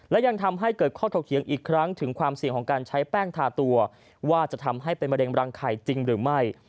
และยังทำให้เกิดข้อถกเถียงอีกครั้งถึงความเสี่ยงของการใช้แป้งทาตัวว่าจะทำให้เป็นมะเร็งรังไข่จริงหรือไม่